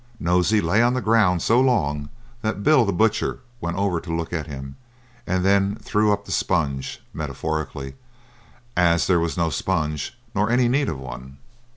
Nosey lay on the ground so long that Bill, the Butcher, went over to look at him, and then he threw up the sponge metaphorically as there was no sponge, nor any need of one.